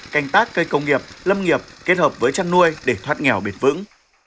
canh tác cây công nghiệp lâm nghiệp kết hợp với chăn nuôi để thoát nghèo bền vững